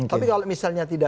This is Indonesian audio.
tapi kalau misalnya tidak